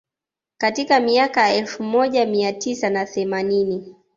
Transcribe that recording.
Katika miaka ya elfu moja mia tisa na themanini